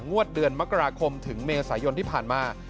งวดเดือนมกราคมถึงเมษายนที่ผ่านมา